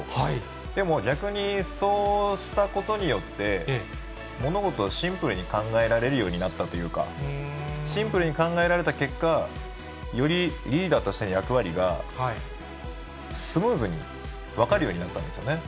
でも、逆にそうしたことによって、物事をシンプルに考えられるようになったというか、シンプルに考えられた結果、よりリーダーとしての役割が、スムーズに分かるようになったんですよね。